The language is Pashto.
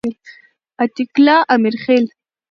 عتیق الله امرخیل